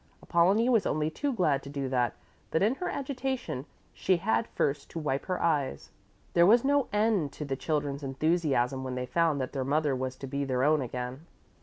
Apollonie was only too glad to do that, but in her agitation she had first to wipe her eyes. There was no end to the children's enthusiasm when they found that their mother was to be their own again.